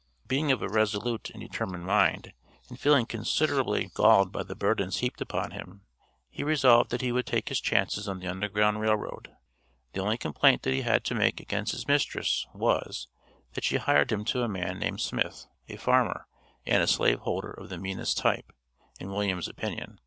Being of a resolute and determined mind, and feeling considerably galled by the burdens heaped upon him, he resolved that he would take his chances on the Underground Rail Road. The only complaint that he had to make against his mistress was, that she hired him to a man named Smith, a farmer, and a slave holder of the meanest type, in William's opinion.